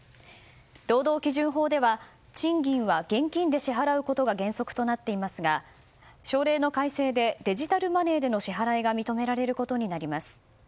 労働基準法では賃金は現金で支払うことが原則となっていますが省令の改正でデジタルマネーでの支払いが認められることになります。